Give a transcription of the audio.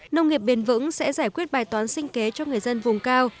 nông nghiệp bền vững sẽ giải quyết bài toán sinh kế cho người dân vùng cao